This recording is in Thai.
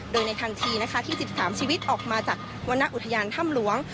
โดยในทันทีนะคะที่๑๓ชีวิตออกมาจากวรรณอุทยานถ้ำหลวง